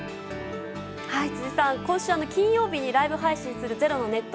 辻さん、今週金曜日にライブ配信する「ｚｅｒｏ」のネット